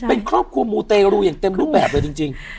เป็นครอบครัวมูเตรูอย่างเต็มรูปแบบเลยจริง